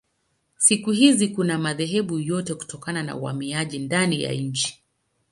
Siku hizi kuna madhehebu yote kutokana na uhamiaji ndani ya nchi.